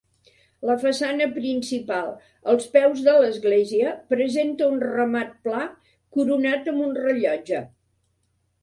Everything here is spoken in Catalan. La façana principal, als peus de l'església, presenta un remat pla, coronat amb un rellotge.